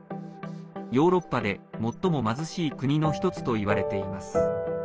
ヨーロッパで最も貧しい国の１つといわれています。